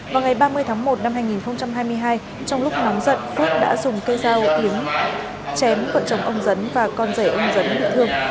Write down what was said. vào ngày ba mươi tháng một năm hai nghìn hai mươi hai trong lúc ngóng giận phước đã dùng cây dao yếm chém cận trồng ông dấn và con rể ông dấn bị thương